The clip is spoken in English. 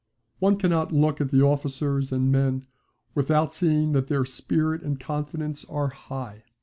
One cannot look at the officers and men without seeing that their spirit and confidence are high.